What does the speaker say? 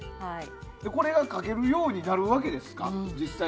これが描けるようになるわけですか？